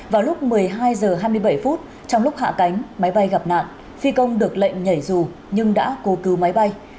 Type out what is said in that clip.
vào lúc một mươi hai h hai mươi bảy phút trong lúc hạ cánh máy bay gặp nạn phi công được lệnh nhảy dù nhưng đã cố cứu máy bay